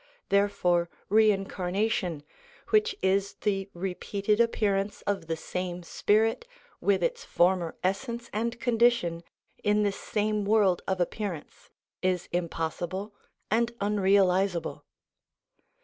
Therefore reincarnation, which is the repeated appearance of the same spirit with its former essence and condition in this same world of appearance, is impossible and unrealisable.